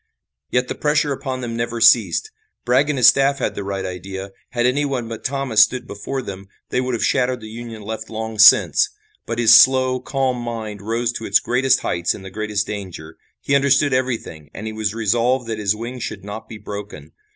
Yet the pressure upon them never ceased. Bragg and his staff had the right idea. Had anyone but Thomas stood before them they would have shattered the Union left long since, but his slow, calm mind rose to its greatest heights in the greatest danger. He understood everything and he was resolved that his wing should not be broken.